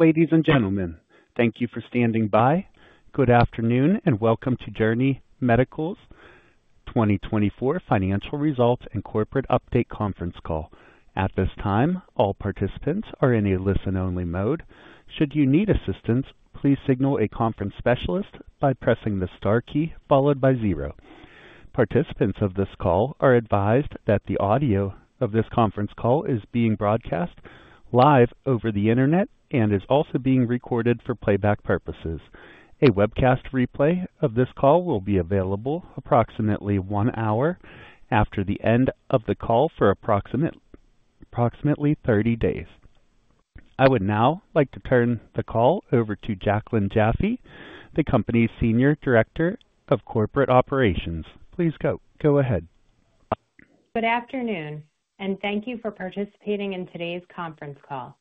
Ladies and gentlemen, thank you for standing by. Good afternoon and welcome to Journey Medical's 2024 Financial Results and Corporate Update conference call. At this time, all participants are in a listen-only mode. Should you need assistance, please signal a conference specialist by pressing the star key followed by zero. Participants of this call are advised that the audio of this conference call is being broadcast live over the internet and is also being recorded for playback purposes. A webcast replay of this call will be available approximately one hour after the end of the call for approximately 30 days. I would now like to turn the call over to Jaclyn Jaffe, the company's Senior Director of Corporate Operations. Please go ahead. Good afternoon, and thank you for participating in today's conference call.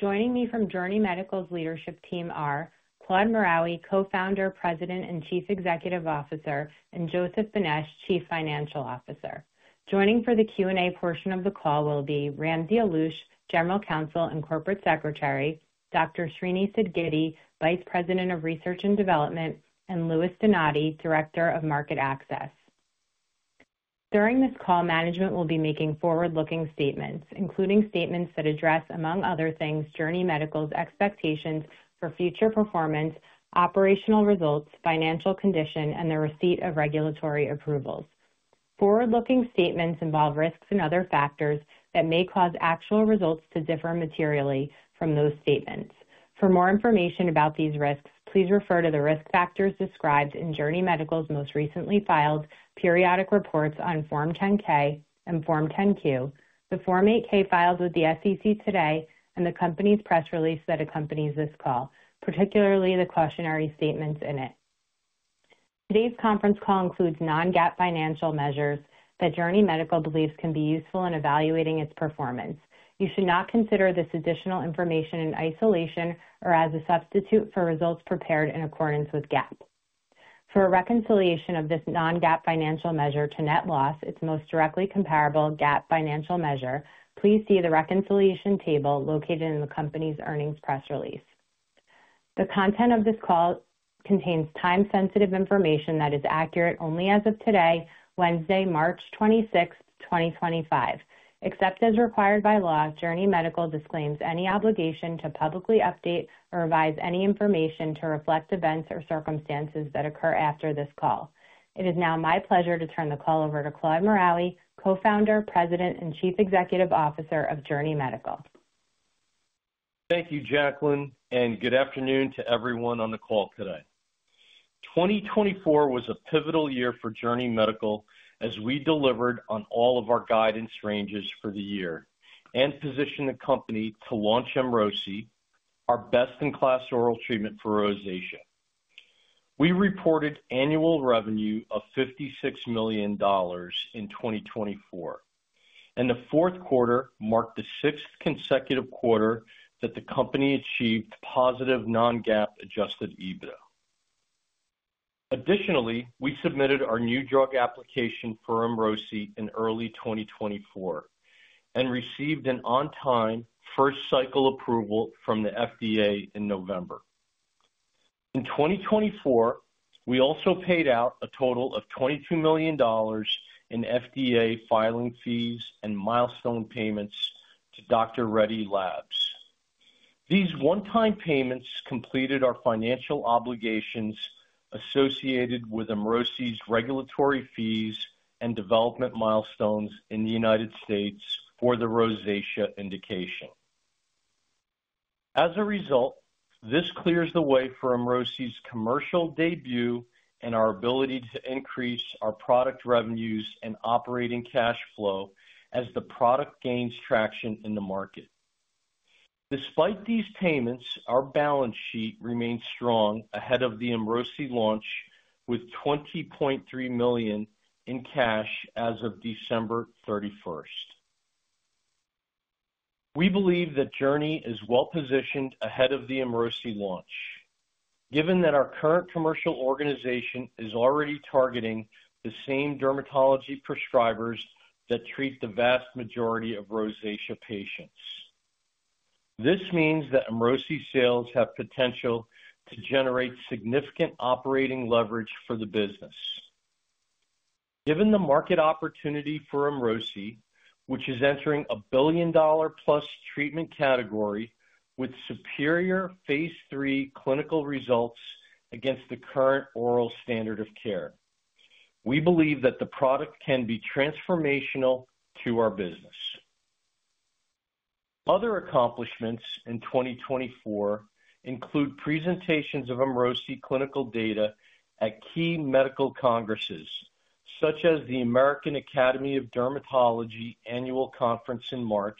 Joining me from Journey Medical's leadership team are Claude Maraoui, co-founder, President, and Chief Executive Officer, and Joseph Benesch, Chief Financial Officer. Joining for the Q&A portion of the call will be Ramsey Alloush, General Counsel and Corporate Secretary, Dr. Srinivas Sidgiddi, Vice President of Research and Development, and Louis Donati, Director of Market Access. During this call, management will be making forward-looking statements, including statements that address, among other things, Journey Medical's expectations for future performance, operational results, financial condition, and the receipt of regulatory approvals. Forward-looking statements involve risks and other factors that may cause actual results to differ materially from those statements. For more information about these risks, please refer to the risk factors described in Journey Medical's most recently filed periodic reports on Form 10-K and Form 10-Q, the Form 8-K filed with the SEC today, and the company's press release that accompanies this call, particularly the cautionary statements in it. Today's conference call includes non-GAAP financial measures that Journey Medical believes can be useful in evaluating its performance. You should not consider this additional information in isolation or as a substitute for results prepared in accordance with GAAP. For a reconciliation of this non-GAAP financial measure to net loss, its most directly comparable GAAP financial measure, please see the reconciliation table located in the company's earnings press release. The content of this call contains time-sensitive information that is accurate only as of today, Wednesday, March 26, 2025. Except as required by law, Journey Medical disclaims any obligation to publicly update or revise any information to reflect events or circumstances that occur after this call. It is now my pleasure to turn the call over to Claude Maraoui, co-founder, President, and Chief Executive Officer of Journey Medical. Thank you, Jaclyn, and good afternoon to everyone on the call today. 2024 was a pivotal year for Journey Medical as we delivered on all of our guidance ranges for the year and positioned the company to launch Emrosi, our best-in-class oral treatment for rosacea. We reported annual revenue of $56 million in 2024, and the fourth quarter marked the sixth consecutive quarter that the company achieved positive non-GAAP adjusted EBITDA. Additionally, we submitted our new drug application for Emrosi in early 2024 and received an on-time first cycle approval from the FDA in November. In 2024, we also paid out a total of $22 million in FDA filing fees and milestone payments to Dr. Reddy's Laboratories. These one-time payments completed our financial obligations associated with Emrosi's regulatory fees and development milestones in the United States for the rosacea indication. As a result, this clears the way for Emrosi's commercial debut and our ability to increase our product revenues and operating cash flow as the product gains traction in the market. Despite these payments, our balance sheet remained strong ahead of the Emrosi launch with $20.3 million in cash as of December 31. We believe that Journey is well-positioned ahead of the Emrosi launch, given that our current commercial organization is already targeting the same dermatology prescribers that treat the vast majority of rosacea patients. This means that Emrosi sales have potential to generate significant operating leverage for the business. Given the market opportunity for Emrosi, which is entering a billion-dollar-plus treatment category with superior phase III clinical results against the current oral standard of care, we believe that the product can be transformational to our business. Other accomplishments in 2024 include presentations of Emrosi clinical data at key medical congresses, such as the American Academy of Dermatology annual conference in March,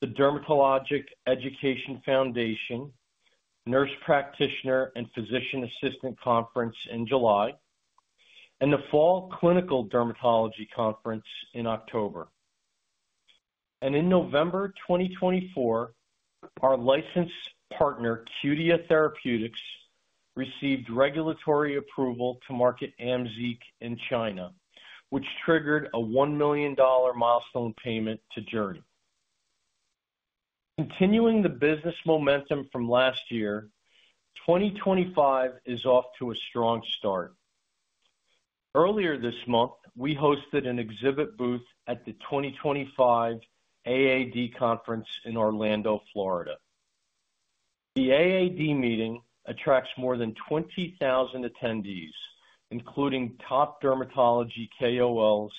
the Dermatologic Education Foundation nurse practitioner and physician assistant conference in July, and the Fall Clinical Dermatology conference in October. In November 2024, our licensed partner, Cutia Therapeutics, received regulatory approval to market Amzeeq in China, which triggered a $1 million milestone payment to Journey. Continuing the business momentum from last year, 2025 is off to a strong start. Earlier this month, we hosted an exhibit booth at the 2025 AAD conference in Orlando, Florida. The AAD meeting attracts more than 20,000 attendees, including top dermatology KOLs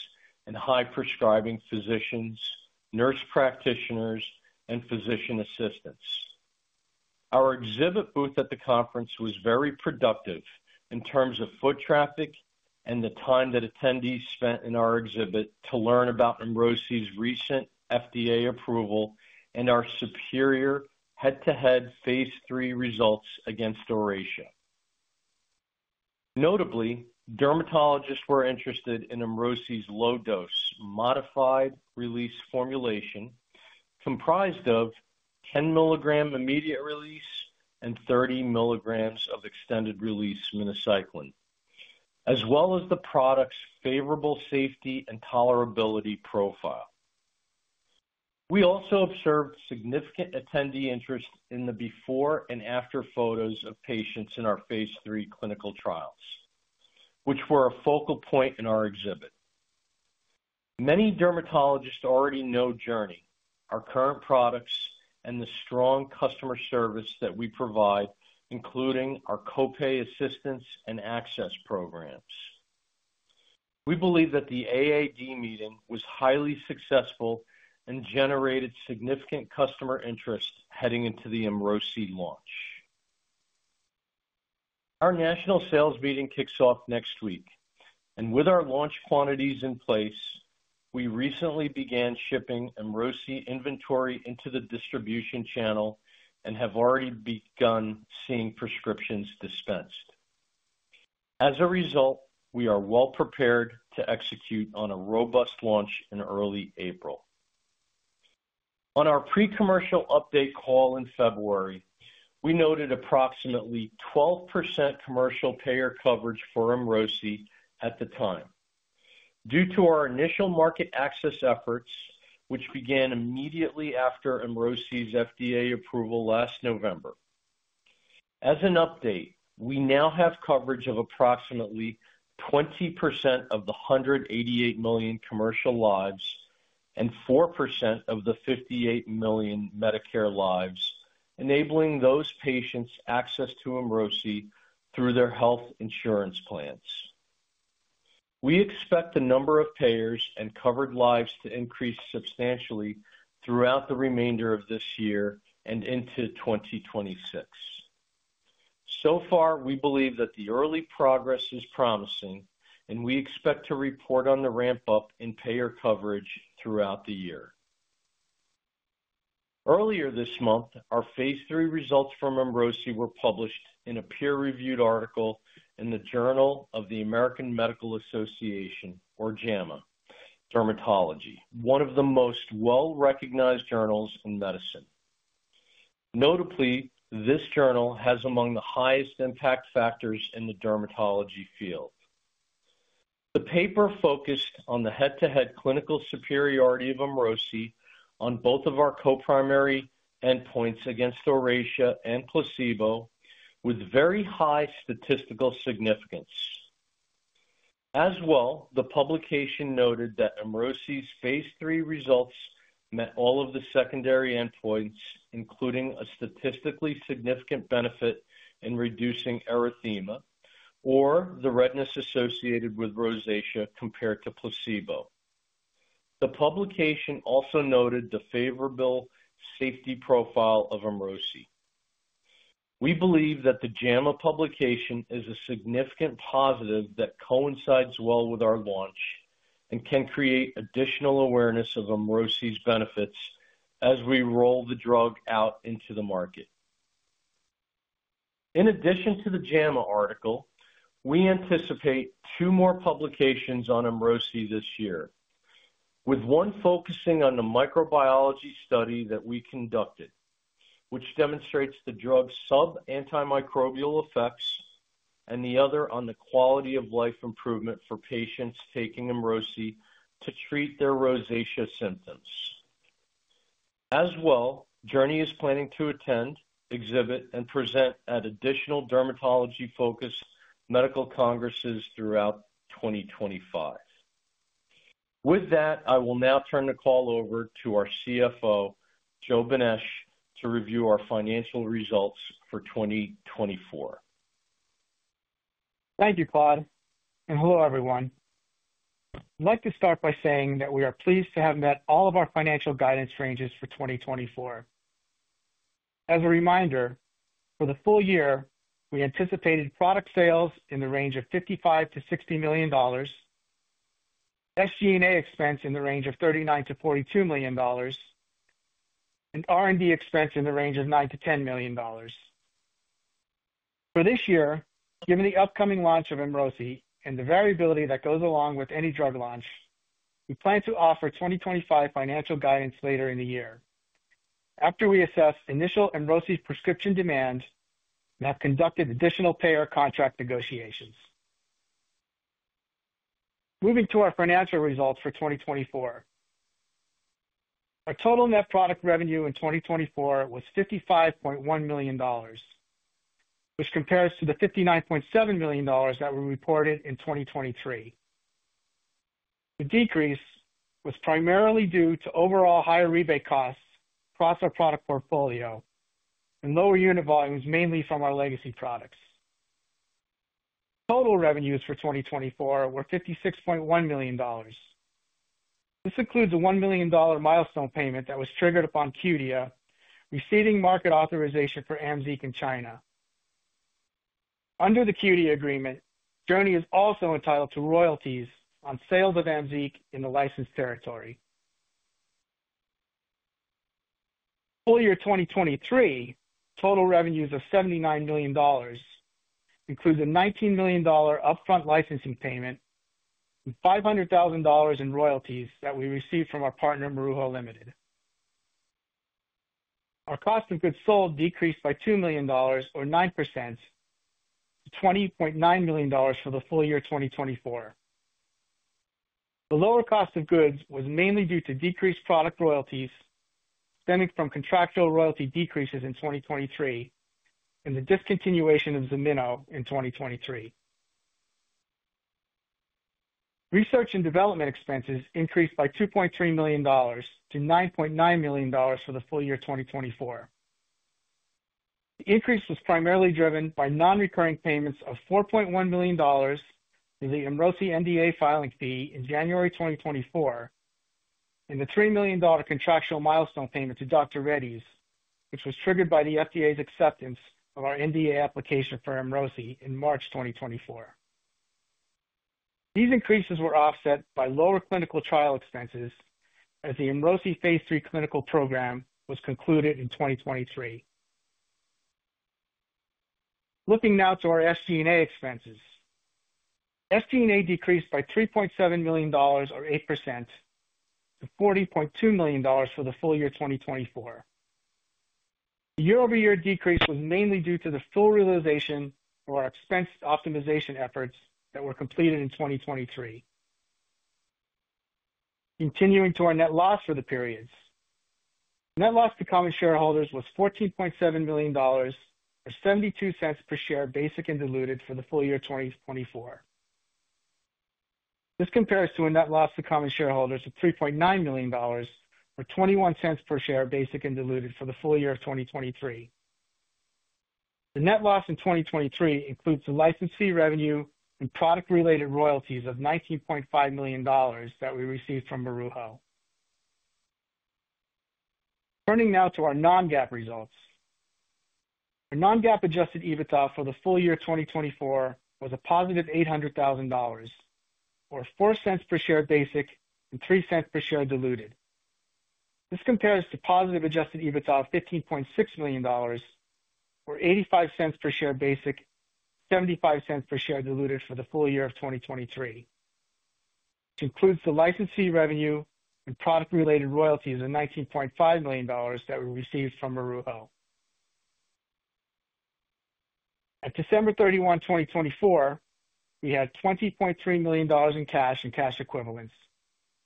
and high-prescribing physicians, nurse practitioners, and physician assistants. Our exhibit booth at the conference was very productive in terms of foot traffic and the time that attendees spent in our exhibit to learn about Emrosi's recent FDA approval and our superior head-to-head phase III results against Oracea. Notably, dermatologists were interested in Emrosi's low-dose modified release formulation comprised of 10 milligram immediate release and 30 milligrams of extended release minocycline, as well as the product's favorable safety and tolerability profile. We also observed significant attendee interest in the before and after photos of patients in our phase III clinical trials, which were a focal point in our exhibit. Many dermatologists already know Journey, our current products, and the strong customer service that we provide, including our copay assistance and access programs. We believe that the AAD meeting was highly successful and generated significant customer interest heading into the Emrosi launch. Our national sales meeting kicks off next week, and with our launch quantities in place, we recently began shipping Emrosi inventory into the distribution channel and have already begun seeing prescriptions dispensed. As a result, we are well-prepared to execute on a robust launch in early April. On our pre-commercial update call in February, we noted approximately 12% commercial payer coverage for Emrosi at the time due to our initial market access efforts, which began immediately after Emrosi's FDA approval last November. As an update, we now have coverage of approximately 20% of the 188 million commercial lives and 4% of the 58 million Medicare lives, enabling those patients access to Emrosi through their health insurance plans. We expect the number of payers and covered lives to increase substantially throughout the remainder of this year and into 2026. So far, we believe that the early progress is promising, and we expect to report on the ramp-up in payer coverage throughout the year. Earlier this month, our phase III results from Emrosi were published in a peer-reviewed article in the Journal of the American Medical Association, or JAMA Dermatology, one of the most well-recognized journals in medicine. Notably, this journal has among the highest impact factors in the dermatology field. The paper focused on the head-to-head clinical superiority of Emrosi on both of our co-primary endpoints against Oracea and placebo, with very high statistical significance. As well, the publication noted that Emrosi's phase III results met all of the secondary endpoints, including a statistically significant benefit in reducing erythema or the redness associated with rosacea compared to placebo. The publication also noted the favorable safety profile of Emrosi. We believe that the JAMA publication is a significant positive that coincides well with our launch and can create additional awareness of Emrosi's benefits as we roll the drug out into the market. In addition to the JAMA article, we anticipate two more publications on Emrosi this year, with one focusing on the microbiology study that we conducted, which demonstrates the drug's sub-antimicrobial effects and the other on the quality of life improvement for patients taking Emrosi to treat their rosacea symptoms. As well, Journey is planning to attend, exhibit, and present at additional dermatology-focused medical congresses throughout 2025. With that, I will now turn the call over to our CFO, Joe Benesch, to review our financial results for 2024. Thank you, Claude. Hello, everyone. I'd like to start by saying that we are pleased to have met all of our financial guidance ranges for 2024. As a reminder, for the full year, we anticipated product sales in the range of $55-$60 million, SG&A expense in the range of $39-$42 million, and R&D expense in the range of $9-$10 million. For this year, given the upcoming launch of Emrosi and the variability that goes along with any drug launch, we plan to offer 2025 financial guidance later in the year after we assess initial Emrosi's prescription demand and have conducted additional payer contract negotiations. Moving to our financial results for 2024, our total net product revenue in 2024 was $55.1 million, which compares to the $59.7 million that were reported in 2023. The decrease was primarily due to overall higher rebate costs across our product portfolio and lower unit volumes, mainly from our legacy products. Total revenues for 2024 were $56.1 million. This includes a $1 million milestone payment that was triggered upon Cutia receiving market authorization for Amzeeq in China. Under the Cutia agreement, Journey is also entitled to royalties on sales of Amzeeq in the licensed territory. Full year 2023 total revenues of $79 million include the $19 million upfront licensing payment and $500,000 in royalties that we received from our partner, Maruho Limited. Our cost of goods sold decreased by $2 million, or 9%, to $20.9 million for the full year 2024. The lower cost of goods was mainly due to decreased product royalties stemming from contractual royalty decreases in 2023 and the discontinuation of Ziana in 2023. Research and development expenses increased by $2.3 million to $9.9 million for the full year 2024. The increase was primarily driven by non-recurring payments of $4.1 million to the Emrosi NDA filing fee in January 2024 and the $3 million contractual milestone payment to Dr. Reddy's, which was triggered by the FDA's acceptance of our NDA application for Emrosi in March 2024. These increases were offset by lower clinical trial expenses as the Emrosi phase III clinical program was concluded in 2023. Looking now to our SG&A expenses, SG&A decreased by $3.7 million, or 8%, to $40.2 million for the full year 2024. The year-over-year decrease was mainly due to the full realization of our expense optimization efforts that were completed in 2023. Continuing to our net loss for the periods, net loss to common shareholders was $14.7 million, or $0.72 per share basic and diluted for the full year 2024. This compares to a net loss to common shareholders of $3.9 million, or $0.21 per share basic and diluted for the full year of 2023. The net loss in 2023 includes the license fee revenue and product-related royalties of $19.5 million that we received from Maruho. Turning now to our non-GAAP results, our non-GAAP adjusted EBITDA for the full year 2024 was a positive $800,000, or $0.04 per share basic and $0.03 per share diluted. This compares to positive adjusted EBITDA of $15.6 million, or $0.85 per share basic and $0.75 per share diluted for the full year of 2023. This includes the license fee revenue and product-related royalties of $19.5 million that we received from Maruho. At December 31, 2024, we had $20.3 million in cash and cash equivalents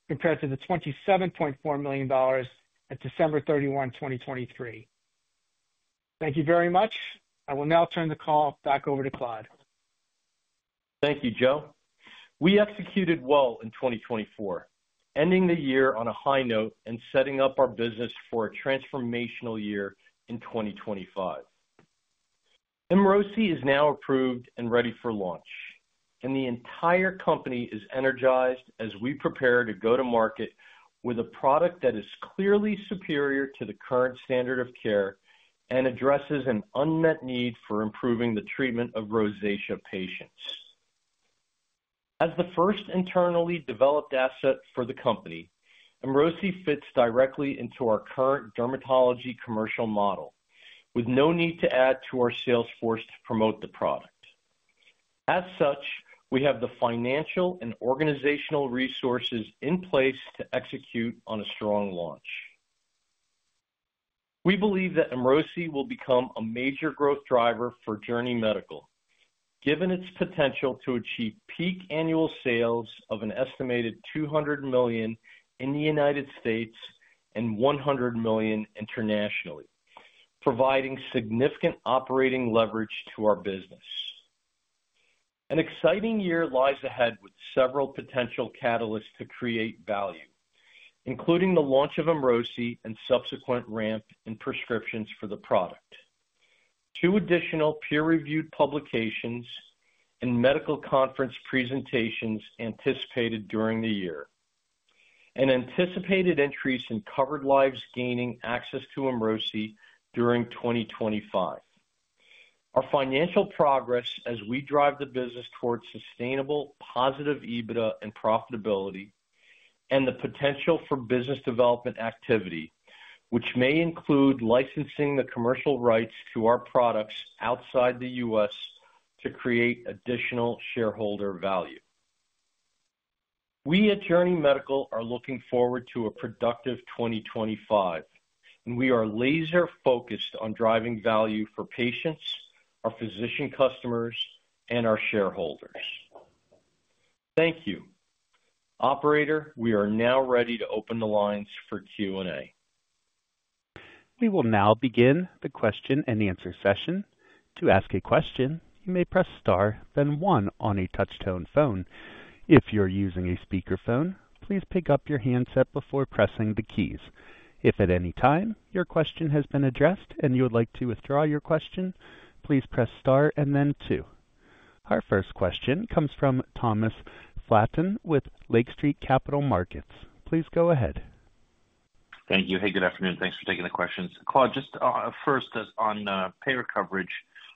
compared to the $27.4 million at December 31, 2023. Thank you very much. I will now turn the call back over to Claude. Thank you, Joe. We executed well in 2024, ending the year on a high note and setting up our business for a transformational year in 2025. Emrosi is now approved and ready for launch, and the entire company is energized as we prepare to go to market with a product that is clearly superior to the current standard of care and addresses an unmet need for improving the treatment of rosacea patients. As the first internally developed asset for the company, Emrosi fits directly into our current dermatology commercial model with no need to add to our sales force to promote the product. As such, we have the financial and organizational resources in place to execute on a strong launch. We believe that Emrosi will become a major growth driver for Journey Medical, given its potential to achieve peak annual sales of an estimated $200 million in the United States and $100 million internationally, providing significant operating leverage to our business. An exciting year lies ahead with several potential catalysts to create value, including the launch of Emrosi and subsequent ramp in prescriptions for the product. Two additional peer-reviewed publications and medical conference presentations anticipated during the year, and anticipated increase in covered lives gaining access to Emrosi during 2025. Our financial progress as we drive the business towards sustainable, positive EBITDA and profitability, and the potential for business development activity, which may include licensing the commercial rights to our products outside the U.S. to create additional shareholder value. We at Journey Medical are looking forward to a productive 2025, and we are laser-focused on driving value for patients, our physician customers, and our shareholders. Thank you. Operator, we are now ready to open the lines for Q&A. We will now begin the question and answer session. To ask a question, you may press star, then one on a touch-tone phone. If you're using a speakerphone, please pick up your handset before pressing the keys. If at any time your question has been addressed and you would like to withdraw your question, please press star and then two. Our first question comes from Thomas Flaten with Lake Street Capital Markets. Please go ahead. Thank you. Hey, good afternoon. Thanks for taking the questions. Claude, just first on payer coverage,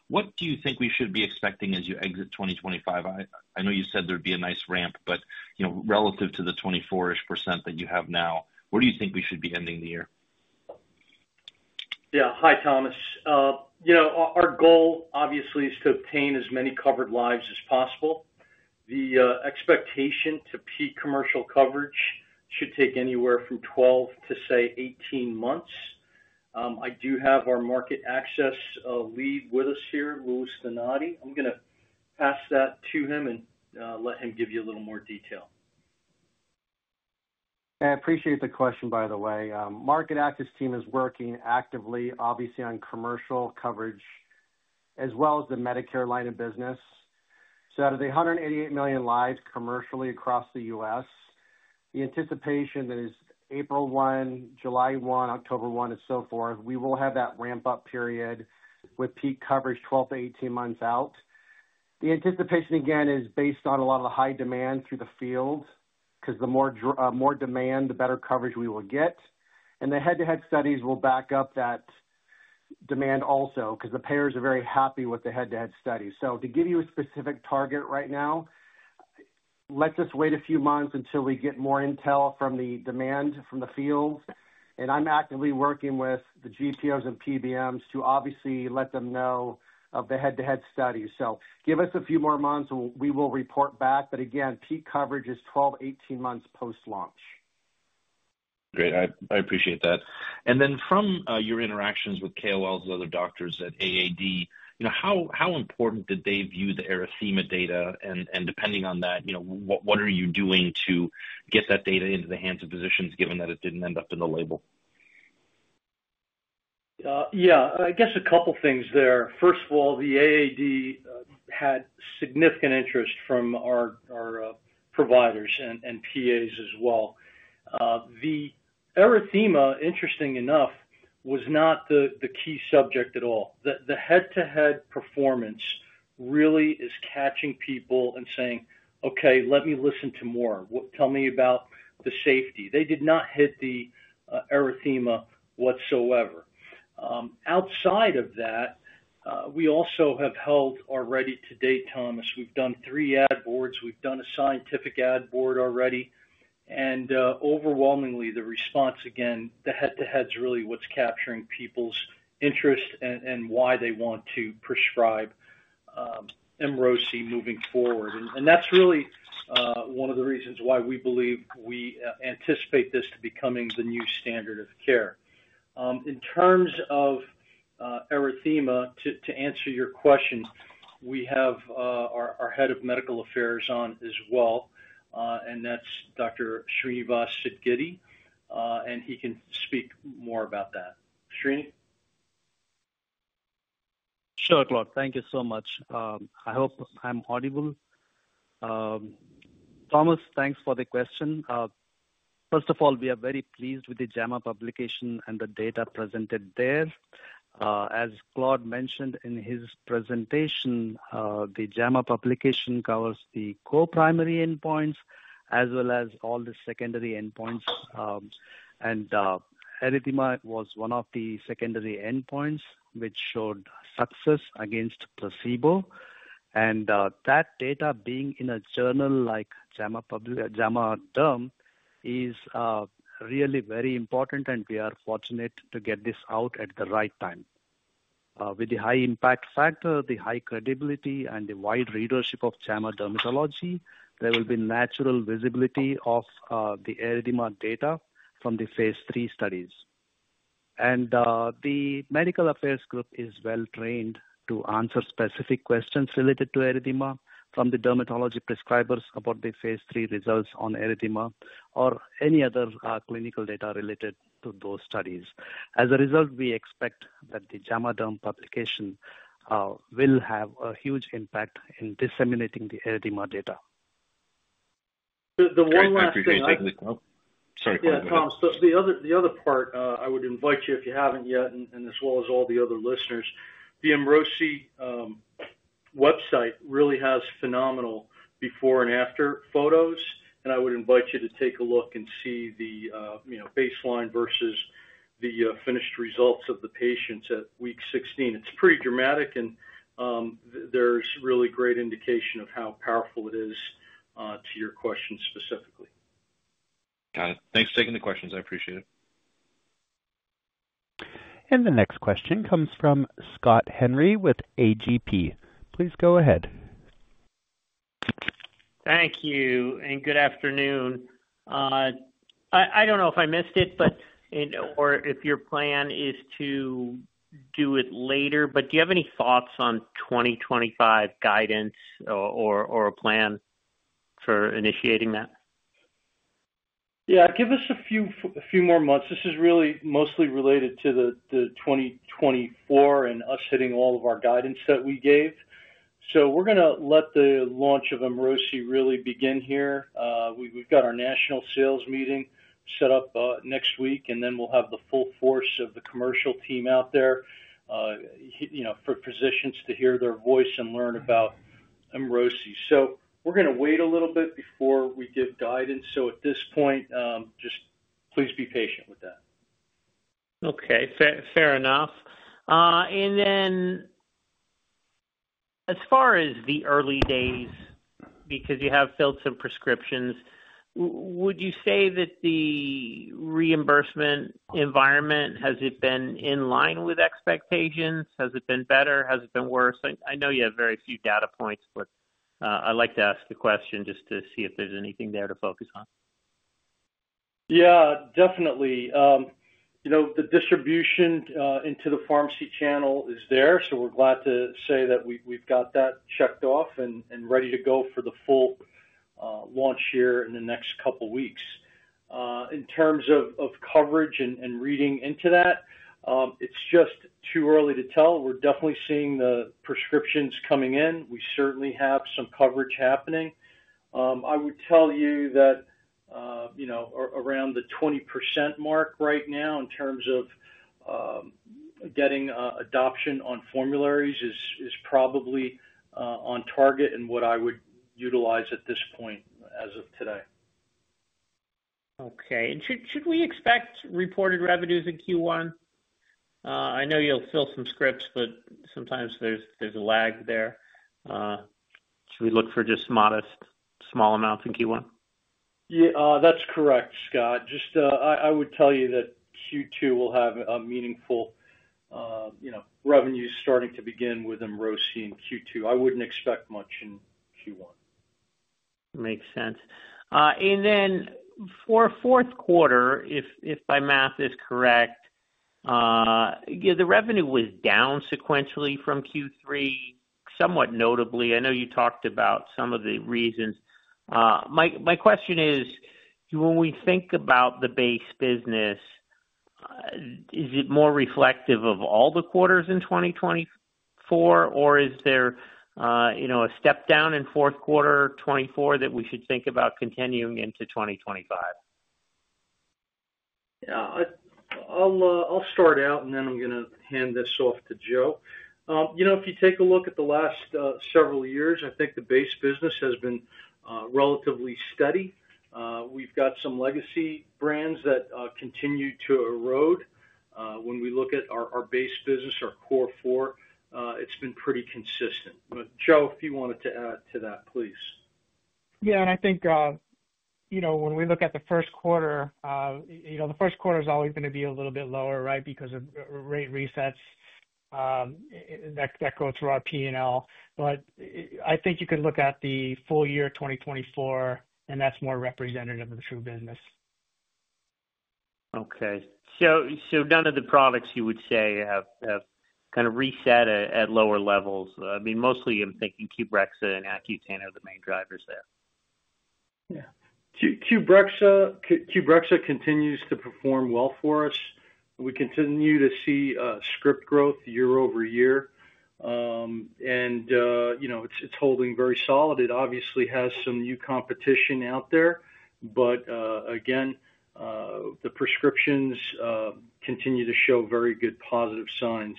what do you think we should be expecting as you exit 2025? I know you said there'd be a nice ramp, but relative to the 24% that you have now, where do you think we should be ending the year? Yeah. Hi, Thomas. Our goal, obviously, is to obtain as many covered lives as possible. The expectation to peak commercial coverage should take anywhere from 12 to 18 months. I do have our market access lead with us here, Louis Donati. I'm going to pass that to him and let him give you a little more detail. I appreciate the question, by the way. Market Access team is working actively, obviously, on commercial coverage as well as the Medicare line of business. Out of the 188 million lives commercially across the U.S., the anticipation is April 1, July 1, October 1, and so forth, we will have that ramp-up period with peak coverage 12-18 months out. The anticipation, again, is based on a lot of the high demand through the field because the more demand, the better coverage we will get. The head-to-head studies will back up that demand also because the payers are very happy with the head-to-head studies. To give you a specific target right now, let's just wait a few months until we get more intel from the demand from the field. I'm actively working with the GPOs and PBMs to obviously let them know of the head-to-head studies. Give us a few more months, and we will report back. Again, peak coverage is 12-18 months post-launch. Great. I appreciate that. From your interactions with KOLs and other doctors at AAD, how important did they view the erythema data? Depending on that, what are you doing to get that data into the hands of physicians given that it didn't end up in the label? Yeah. I guess a couple of things there. First of all, the AAD had significant interest from our providers and PAs as well. The erythema, interesting enough, was not the key subject at all. The head-to-head performance really is catching people and saying, "Okay, let me listen to more. Tell me about the safety." They did not hit the erythema whatsoever. Outside of that, we also have held already to date, Thomas, we've done three ad boards. We've done a scientific ad board already. Overwhelmingly, the response, again, the head-to-head is really what's capturing people's interest and why they want to prescribe Emrosi moving forward. That's really one of the reasons why we believe we anticipate this to becoming the new standard of care. In terms of erythema, to answer your question, we have our Head of Medical Affairs on as well, and that's Dr. Srinivas Sidgiddi. He can speak more about that. Srini. Sure, Claude. Thank you so much. I hope I'm audible. Thomas, thanks for the question. First of all, we are very pleased with the JAMA publication and the data presented there. As Claude mentioned in his presentation, the JAMA publication covers the co-primary endpoints as well as all the secondary endpoints. Erythema was one of the secondary endpoints which showed success against placebo. That data being in a journal like JAMA Derm is really very important, and we are fortunate to get this out at the right time. With the high impact factor, the high credibility, and the wide readership of JAMA Dermatology, there will be natural visibility of the erythema data from the phase III studies. The medical affairs group is well-trained to answer specific questions related to erythema from the dermatology prescribers about the phase III results on erythema or any other clinical data related to those studies. As a result, we expect that the JAMA Derm publication will have a huge impact in disseminating the erythema data. The one last thing. Sorry, Claude. Yeah, Thomas. The other part, I would invite you, if you haven't yet, and as well as all the other listeners, the Emrosi website really has phenomenal before and after photos. I would invite you to take a look and see the baseline versus the finished results of the patients at week 16. It's pretty dramatic, and there's really great indication of how powerful it is to your question specifically. Got it. Thanks for taking the questions. I appreciate it. The next question comes from Scott Henry with AGP. Please go ahead. Thank you. Good afternoon. I don't know if I missed it or if your plan is to do it later, but do you have any thoughts on 2025 guidance or a plan for initiating that? Yeah. Give us a few more months. This is really mostly related to 2024 and us hitting all of our guidance that we gave. We're going to let the launch of Emrosi really begin here. We've got our national sales meeting set up next week, and then we'll have the full force of the commercial team out there for physicians to hear their voice and learn about Emrosi. We're going to wait a little bit before we give guidance. At this point, just please be patient with that. Okay. Fair enough. As far as the early days, because you have filled some prescriptions, would you say that the reimbursement environment, has it been in line with expectations? Has it been better? Has it been worse? I know you have very few data points, but I like to ask the question just to see if there's anything there to focus on. Yeah, definitely. The distribution into the pharmacy channel is there, so we're glad to say that we've got that checked off and ready to go for the full launch here in the next couple of weeks. In terms of coverage and reading into that, it's just too early to tell. We're definitely seeing the prescriptions coming in. We certainly have some coverage happening. I would tell you that around the 20% mark right now in terms of getting adoption on formularies is probably on target and what I would utilize at this point as of today. Okay. Should we expect reported revenues in Q1? I know you'll fill some scripts, but sometimes there's a lag there. Should we look for just modest, small amounts in Q1? That's correct, Scott. I would tell you that Q2 will have meaningful revenues starting to begin with Emrosi in Q2. I wouldn't expect much in Q1. Makes sense. For fourth quarter, if my math is correct, the revenue was down sequentially from Q3 somewhat notably. I know you talked about some of the reasons. My question is, when we think about the base business, is it more reflective of all the quarters in 2024, or is there a step down in fourth quarter 2024 that we should think about continuing into 2025? Yeah. I'll start out, and then I'm going to hand this off to Joe. If you take a look at the last several years, I think the base business has been relatively steady. We've got some legacy brands that continue to erode. When we look at our base business, our core four, it's been pretty consistent. Joe, if you wanted to add to that, please. Yeah. I think when we look at the first quarter, the first quarter is always going to be a little bit lower, right, because of rate resets that go through our P&L. I think you could look at the full year 2024, and that's more representative of the true business. Okay. None of the products you would say have kind of reset at lower levels? I mean, mostly I'm thinking Qbrexza and Accutane are the main drivers there. Yeah. Qbrexza continues to perform well for us. We continue to see script growth year over year, and it's holding very solid. It obviously has some new competition out there. Again, the prescriptions continue to show very good positive signs.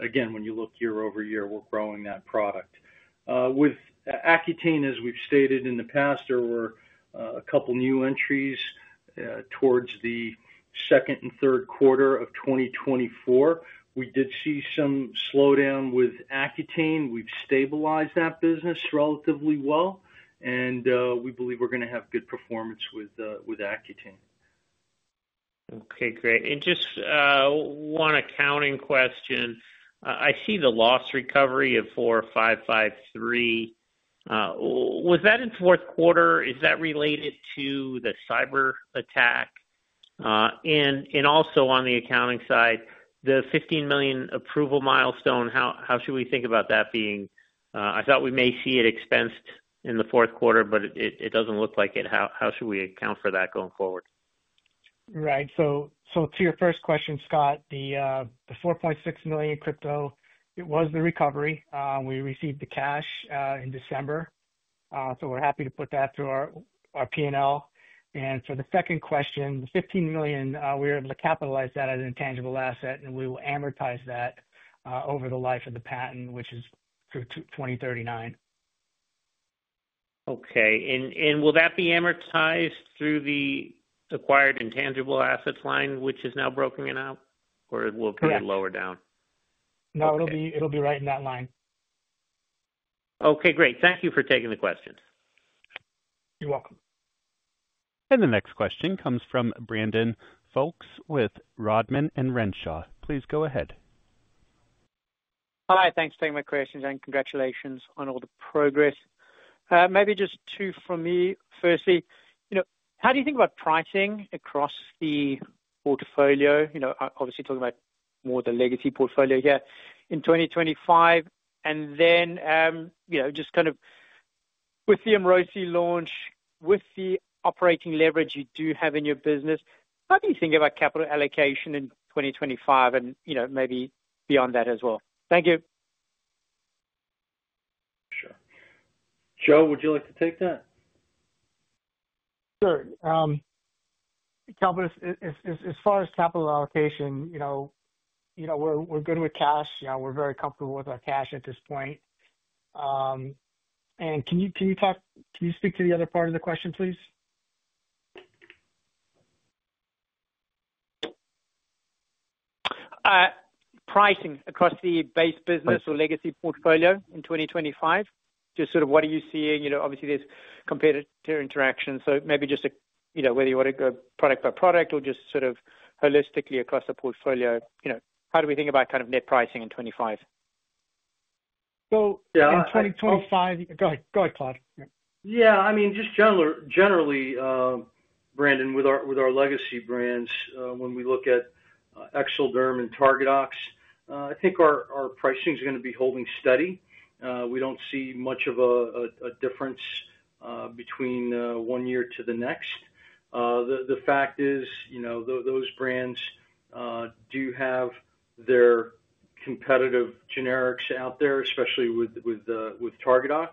Again, when you look year over year, we're growing that product. With Accutane, as we've stated in the past, there were a couple of new entries towards the second and third quarter of 2024. We did see some slowdown with Accutane. We've stabilized that business relatively well, and we believe we're going to have good performance with Accutane. Okay. Great. Just one accounting question. I see the loss recovery of 4553. Was that in fourth quarter? Is that related to the cyber attack? Also on the accounting side, the $15 million approval milestone, how should we think about that being? I thought we may see it expensed in the fourth quarter, but it doesn't look like it. How should we account for that going forward? Right. To your first question, Scott, the $4.6 million crypto, it was the recovery. We received the cash in December, so we're happy to put that through our P&L. For the second question, the $15 million, we were able to capitalize that as an intangible asset, and we will amortize that over the life of the patent, which is through 2039. Okay. Will that be amortized through the acquired intangible assets line, which is now broken out, or will it be lower down? No, it'll be right in that line. Okay. Great. Thank you for taking the questions. You're welcome. The next question comes from Brandon Folkes with Rodman & Renshaw. Please go ahead. Hi. Thanks for taking my questions, and congratulations on all the progress. Maybe just two from me. Firstly, how do you think about pricing across the portfolio? Obviously, talking about more the legacy portfolio here in 2025. Just kind of with the Emrosi launch, with the operating leverage you do have in your business, how do you think about capital allocation in 2025 and maybe beyond that as well? Thank you. Sure. Joe, would you like to take that? Sure. As far as capital allocation, we're good with cash. We're very comfortable with our cash at this point. Can you speak to the other part of the question, please? Pricing across the base business or legacy portfolio in 2025? Just sort of what are you seeing? Obviously, there's competitor interaction. Maybe just whether you want to go product by product or just sort of holistically across the portfolio, how do we think about kind of net pricing in 2025? In 2025. Yeah. Go ahead. Go ahead, Claude. Yeah. I mean, just generally, Brandon, with our legacy brands, when we look at Exelderm and Targadox, I think our pricing is going to be holding steady. We do not see much of a difference between one year to the next. The fact is those brands do have their competitive generics out there, especially with Targadox.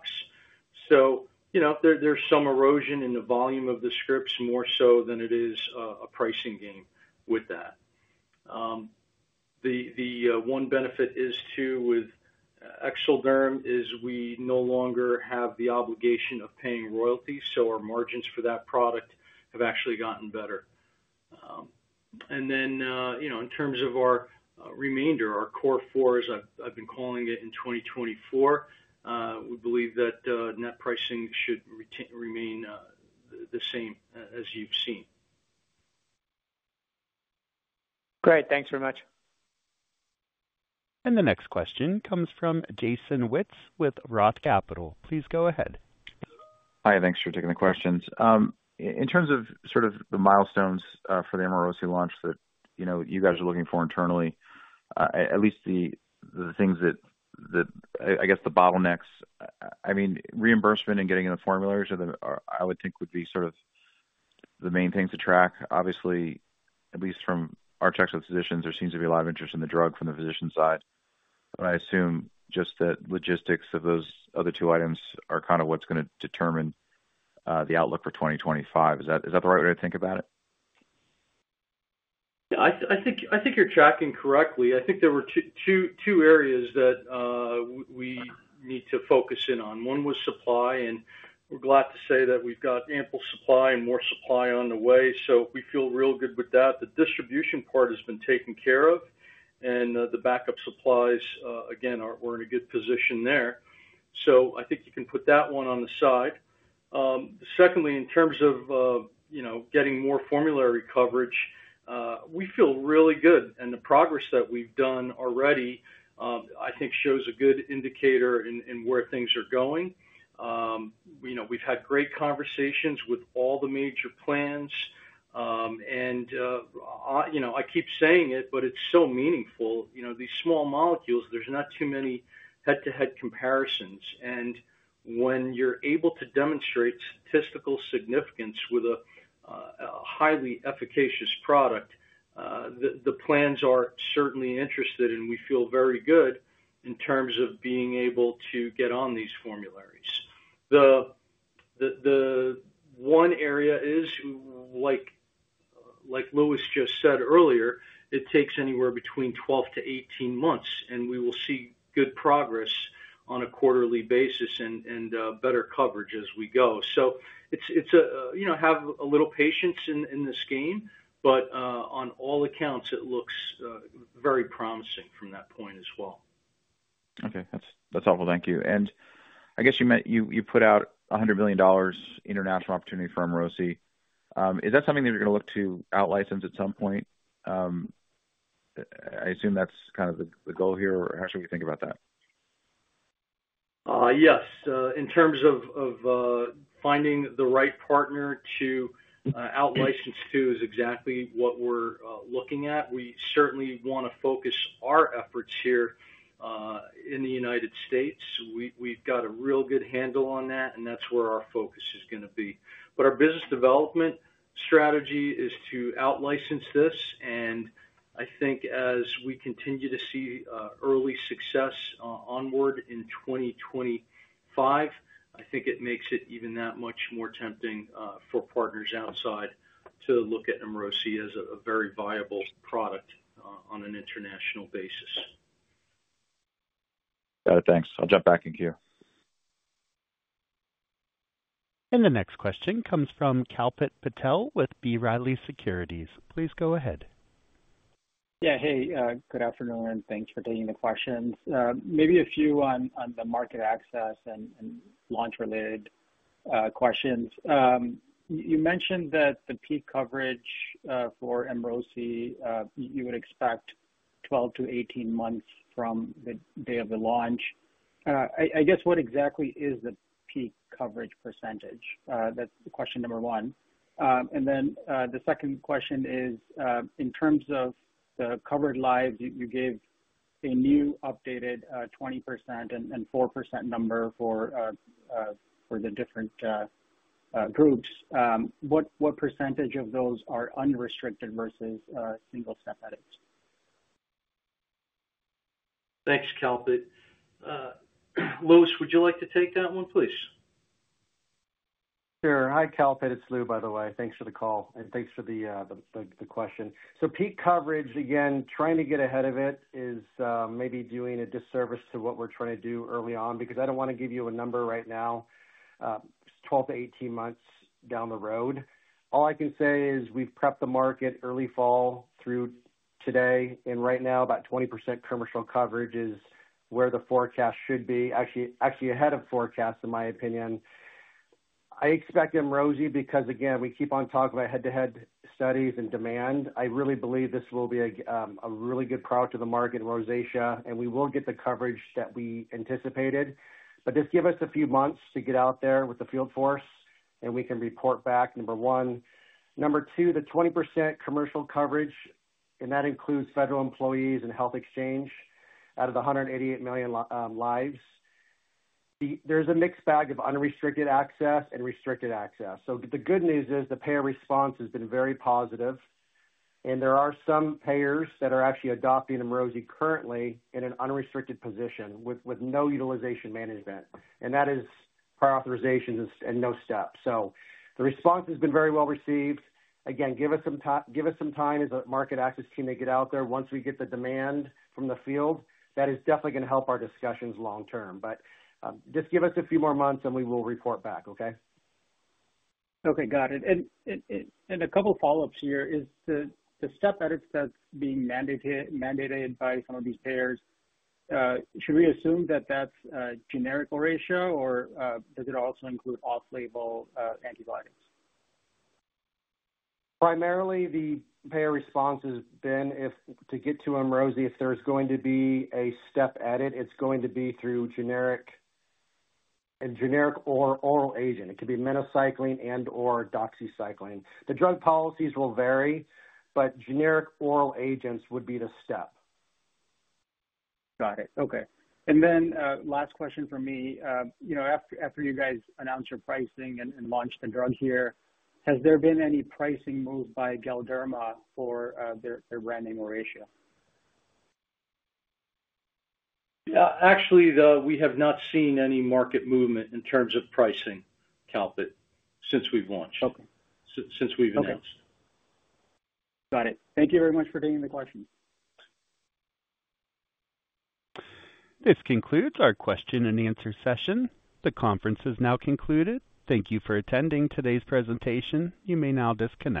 There is some erosion in the volume of the scripts more so than it is a pricing game with that. The one benefit is too, with Exelderm, is we no longer have the obligation of paying royalties, so our margins for that product have actually gotten better. In terms of our remainder, our core fours, I have been calling it in 2024, we believe that net pricing should remain the same as you have seen. Great. Thanks very much. The next question comes from Jason Wittes with Roth Capital. Please go ahead. Hi. Thanks for taking the questions. In terms of sort of the milestones for the Emrosi launch that you guys are looking for internally, at least the things that I guess the bottlenecks, I mean, reimbursement and getting in the formularies, I would think would be sort of the main things to track. Obviously, at least from our checks with physicians, there seems to be a lot of interest in the drug from the physician side. I assume just that logistics of those other two items are kind of what's going to determine the outlook for 2025. Is that the right way to think about it? I think you're tracking correctly. I think there were two areas that we need to focus in on. One was supply, and we're glad to say that we've got ample supply and more supply on the way. We feel real good with that. The distribution part has been taken care of, and the backup supplies, again, we're in a good position there. I think you can put that one on the side. Secondly, in terms of getting more formulary coverage, we feel really good. The progress that we've done already, I think, shows a good indicator in where things are going. We've had great conversations with all the major plans. I keep saying it, but it's so meaningful. These small molecules, there's not too many head-to-head comparisons. When you're able to demonstrate statistical significance with a highly efficacious product, the plans are certainly interested, and we feel very good in terms of being able to get on these formularies. The one area is, like Louis just said earlier, it takes anywhere between 12-18 months, and we will see good progress on a quarterly basis and better coverage as we go. Have a little patience in this game, but on all accounts, it looks very promising from that point as well. Okay. That's helpful. Thank you. I guess you put out $100 million international opportunity for Emrosi. Is that something that you're going to look to out-license at some point? I assume that's kind of the goal here. How should we think about that? Yes. In terms of finding the right partner to out-license to is exactly what we're looking at. We certainly want to focus our efforts here in the United States. We've got a real good handle on that, and that's where our focus is going to be. Our business development strategy is to out-license this. I think as we continue to see early success onward in 2025, I think it makes it even that much more tempting for partners outside to look at Emrosi as a very viable product on an international basis. Got it. Thanks. I'll jump back in here. The next question comes from Kalpit Patel with B. Riley Securities. Please go ahead. Yeah. Hey, good afternoon, and thanks for taking the questions. Maybe a few on the market access and launch-related questions. You mentioned that the peak coverage for Emrosi, you would expect 12-18 months from the day of the launch. I guess what exactly is the peak coverage percentage? That's question number one. The second question is, in terms of the covered lives, you gave a new updated 20% and 4% number for the different groups. What percentage of those are unrestricted versus single-step edits? Thanks, Kalpit. Louis, would you like to take that one, please? Sure. Hi, Kalpit. It's Lou, by the way. Thanks for the call, and thanks for the question. Peak coverage, again, trying to get ahead of it is maybe doing a disservice to what we're trying to do early on because I don't want to give you a number right now. It's 12-18 months down the road. All I can say is we've prepped the market early fall through today. Right now, about 20% commercial coverage is where the forecast should be, actually ahead of forecast, in my opinion. I expect Emrosi because, again, we keep on talking about head-to-head studies and demand. I really believe this will be a really good product to the market in rosacea, and we will get the coverage that we anticipated. Just give us a few months to get out there with the field force, and we can report back, number one. Number two, the 20% commercial coverage, and that includes federal employees and health exchange out of the 188 million lives. There is a mixed bag of unrestricted access and restricted access. The good news is the payer response has been very positive. There are some payers that are actually adopting Emrosi currently in an unrestricted position with no utilization management. That is prior authorizations and no steps. The response has been very well received. Again, give us some time as a market access team to get out there. Once we get the demand from the field, that is definitely going to help our discussions long-term. Just give us a few more months, and we will report back, okay? Okay. Got it. A couple of follow-ups here. Is the step edits that's being mandated by some of these payers, should we assume that that's a generic ratio, or does it also include off-label antibodies? Primarily, the payer response has been, to get to Emrosi, if there's going to be a step edit, it's going to be through generic or oral agent. It could be minocycline and/or doxycycline. The drug policies will vary, but generic oral agents would be the step. Got it. Okay. Last question for me. After you guys announced your pricing and launched the drug here, has there been any pricing moved by Galderma for their brand name Rosacea? Actually, we have not seen any market movement in terms of pricing, Kalpit, since we've launched, since we've announced. Got it. Thank you very much for taking the question. This concludes our question and answer session. The conference is now concluded. Thank you for attending today's presentation. You may now disconnect.